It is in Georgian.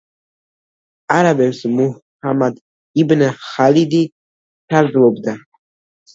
არაბებს მუჰამად იბნ ხალიდი სარდლობდა.